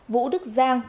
vũ đức dương